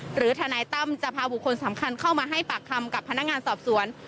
ทนายตั้มจะพาบุคคลสำคัญเข้ามาให้ปากคำกับพนักงานสอบสวน